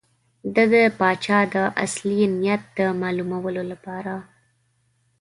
ده د پاچا د اصلي نیت د معلومولو لپاره.